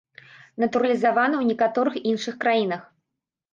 Натуралізаваны ў некаторых іншых краінах.